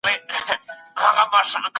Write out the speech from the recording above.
بشري حقونه باید په هره ټولنه کي خوندي وي.